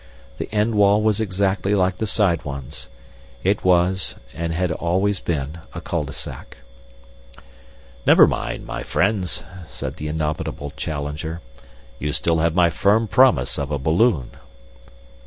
The end wall was exactly like the side ones. It was, and had always been, a cul de sac. "Never mind, my friends," said the indomitable Challenger. "You have still my firm promise of a balloon."